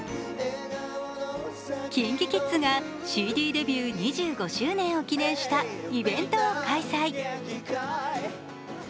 ＫｉｎＫｉＫｉｄｓがＣＤデビュー２５周年を記念したイベントを開催。